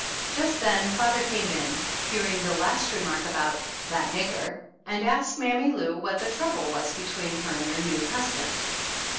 Just then father came in, hearing the last re mark about "that nigger," and asked Mammy Lou what the trouble was between her and her new husband.